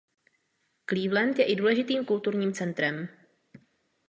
Cleveland je i důležitým kulturním centrem.